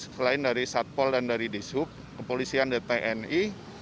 selain dari satpol dan dari disub kepolisian dtni